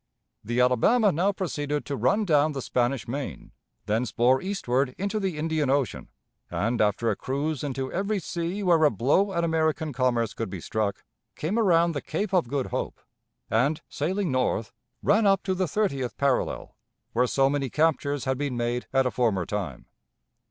The Alabama now proceeded to run down the Spanish Main, thence bore eastward into the Indian Ocean, and, after a cruise into every sea where a blow at American commerce could be struck, came around the Cape of Good Hope, and, sailing north, ran up to the thirtieth parallel, where so many captures had been made at a former time.